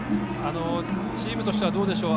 チームとしてはどうでしょう。